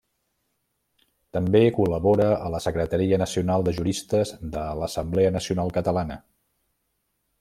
També col·labora a la secretaria nacional de juristes de l'Assemblea Nacional Catalana.